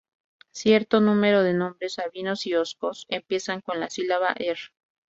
Cierto número de nombres sabinos y Oscos empiezan con la sílaba, "Her-".